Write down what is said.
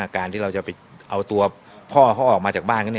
การที่เราจะไปเอาตัวพ่อเขาออกมาจากบ้าน